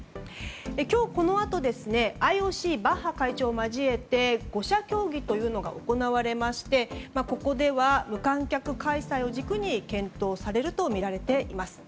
今日このあとＩＯＣのバッハ会長を交えて５者協議が行われましてここでは無観客開催を軸に検討されるとみられています。